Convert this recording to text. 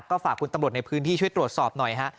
ก็ฝากคุณตำรวจในพื้นที่ช่วยตรวจสอบหน่อยฮะ